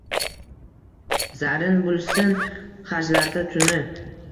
Zarrin bulsin xajlarda tuni